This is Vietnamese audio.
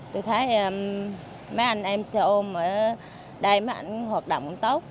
tôi thấy mấy anh em xe ôm ở đây mấy anh họ hoạt động cũng tốt